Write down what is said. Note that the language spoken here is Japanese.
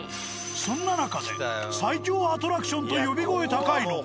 そんな中で最恐アトラクションと呼び声高いのが。